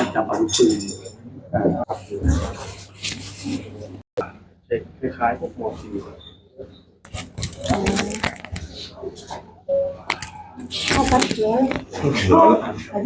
โชว์พักเย้ย